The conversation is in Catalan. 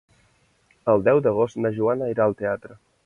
El deu d'agost na Joana irà al teatre.